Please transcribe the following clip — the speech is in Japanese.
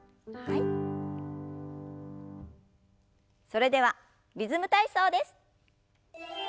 それでは「リズム体操」です。